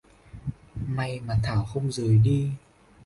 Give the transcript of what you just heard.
may mà thảo không rời đi